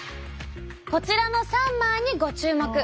こちらの３枚にご注目！